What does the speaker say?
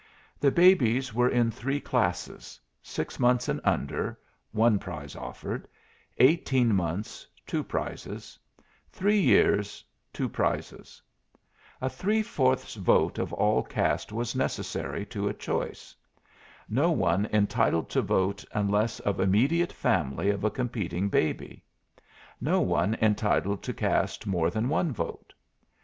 The babies were in three classes: Six months and under, one prize offered; eighteen months, two prizes; three years, two prizes. A three fourths vote of all cast was necessary to a choice. No one entitled to vote unless of immediate family of a competing baby. No one entitled to cast more than one vote.